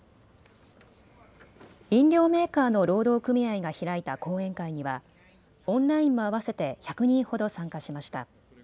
飲料メーカーの労働組合が開いた講演会にはオンラインも合わせて１００人ほど参加しました。